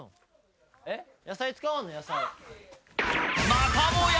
またもや